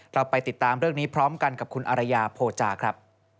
เราไปติดตามเรื่องนี้พร้อมกันกับคุณอารยาโพจาครับ